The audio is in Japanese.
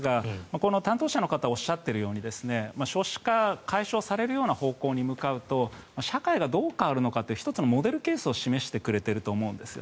この担当者の方がおっしゃっているように少子化が解消されるような方向に向かうと社会がどう変わるのかという１つのモデルケースを示してくれていると思うんです。